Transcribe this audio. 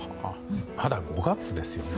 まだ５月ですよね。